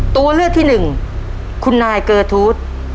ตัวเลือกที่หนึ่งคุณนายเกอร์ทูธ